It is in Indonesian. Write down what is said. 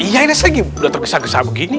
iya ini saya udah tergesa gesa begini